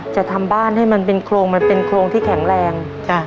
จะทำบ้านให้มันเป็นโครงมันเป็นโครงที่แข็งแรง